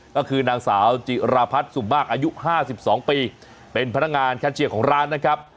ก็คือนางสาวจิราพัฒน์สุมมากอายุ๕๒ปีเป็นพนักงานแคชเชียร์ของร้านนะครับ